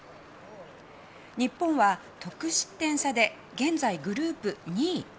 日本は得失点差で現在グループ２位。